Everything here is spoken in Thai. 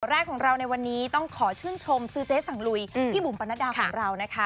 แรกของเราในวันนี้ต้องขอชื่นชมซื้อเจ๊สังลุยพี่บุ๋มปนัดดาของเรานะคะ